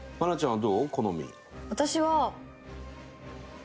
私は。